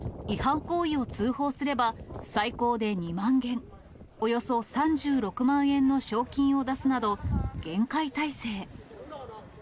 違反行為を通報すれば、最高で２万元、およそ３６万円の賞金を出すなど、厳戒態勢。